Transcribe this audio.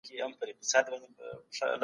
تاریخي مطالعه د انسان دریز ته اعتدال ورکوي.